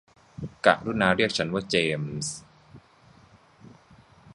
กรุณาเรียกฉันว่าเจมส์